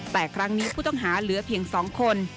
แต่ครั้งนี้ผู้ต้องหาเหลือเพียง๒คน